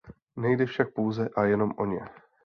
Nejde však pouze a jenom o ně.